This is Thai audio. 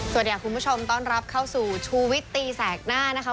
สวัสดีค่ะคุณผู้ชมต้อนรับเข้าสู่ชูวิตตีแสกหน้านะคะ